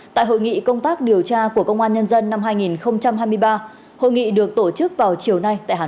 tại hội nghị công tác điều tra của công an nhân dân năm hai nghìn hai mươi ba hội nghị được tổ chức vào chiều nay tại hà nội